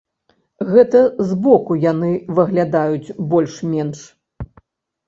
Гэта збоку яны выглядаюць больш-менш.